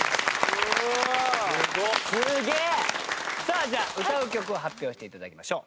すげえ！さあじゃあ歌う曲を発表して頂きましょう。